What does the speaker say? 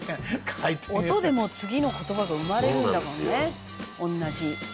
「音でもう次の言葉が生まれるんだもんね同じ」